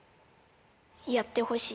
「やってほしい」